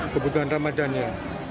kebutuhan ramadan ya